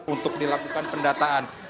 untuk dilakukan pendataan